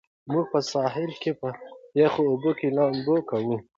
موږ په ساحل کې په یخو اوبو کې لامبو کوو.